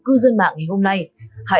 cư dân tài khoản định danh điện tử